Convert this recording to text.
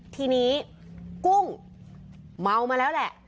ทีนี้กุ้งเมามาแล้วแหละ